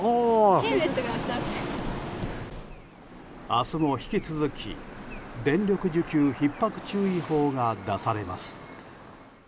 明日も引き続き電力需給ひっ迫注意報が出されます。